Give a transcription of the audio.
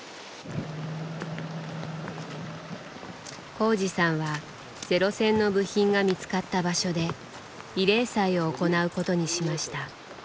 幸治さんはゼロ戦の部品が見つかった場所で慰霊祭を行うことにしました。